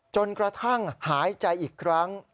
จนกระทั่งหายใจอีกครั้ง